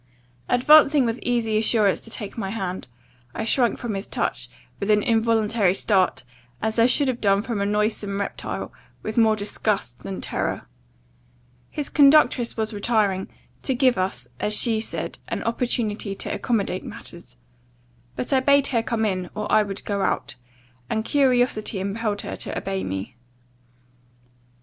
Advancing with easy assurance to take my hand, I shrunk from his touch, with an involuntary start, as I should have done from a noisome reptile, with more disgust than terror. His conductress was retiring, to give us, as she said, an opportunity to accommodate matters. But I bade her come in, or I would go out; and curiosity impelled her to obey me.